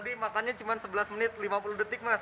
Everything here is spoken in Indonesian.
tadi makannya cuma sebelas menit lima puluh detik mas